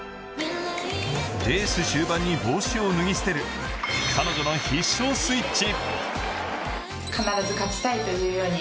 レース終盤に帽子を脱ぎ捨てる彼女の必勝スイッチ。